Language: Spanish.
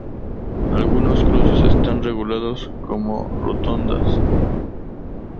Algunos cruces están regulados con rotondas.